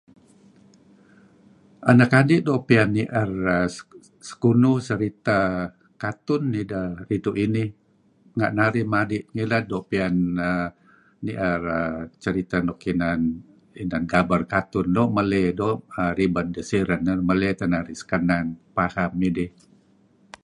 Anak adi' doo' piyan ni'er err sekunuh seritah kartun ideh ridtu' inih. Renga' narih madi' ngilad doo' piyan narih ni'er ceritah nuk inan gaber kartun, doo' meley, doo' ribed dih siren, doo' meley paham idih.